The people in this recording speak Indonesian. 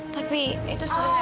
tapi itu sebenarnya